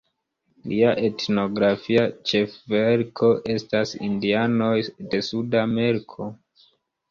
Lia etnografia ĉefverko estas Indianoj de Suda Ameriko.